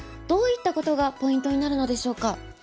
どういったことがポイントになるのでしょうか。